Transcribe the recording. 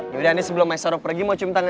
yaudah nih sebelum maisaroh pergi mau cium tangan